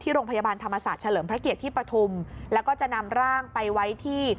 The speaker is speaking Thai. โรงพยาบาลธรรมศาสตร์เฉลิมพระเกียรติที่ปฐุมแล้วก็จะนำร่างไปไว้ที่